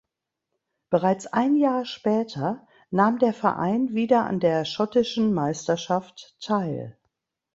Bereits ein Jahr später nahm der Verein wieder an der schottischen Meisterschaft teil.